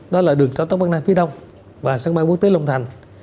đó là đường cao tốc bắc nam phía đông và sân bay quốc tế long thành